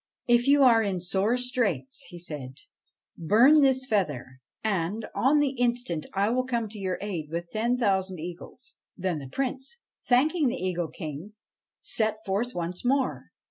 ' If you are in sore straits,' he said, ' burn this feather, and, on the instant, I will come to your aid with ten thousand eagles.' Then the Prince, thanking the Eagle King, set forth once more.